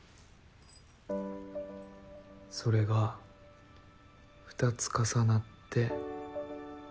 それが２つ重なって。